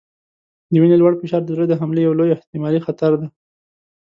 د وینې لوړ فشار د زړه د حملې یو لوی احتمالي خطر دی.